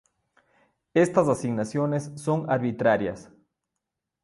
Estas asignaciones son arbitrarias.